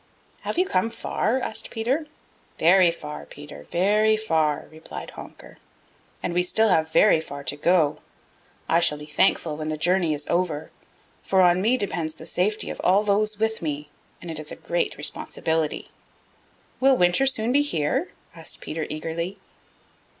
"Have you come far?" asked Peter. "Very far, Peter; very far," replied Honker. "And we still have very far to go. I shall be thankful when the journey is over, for on me depends the safety of all those with me, and it is a great responsibility." "Will winter soon be here?" asked Peter eagerly.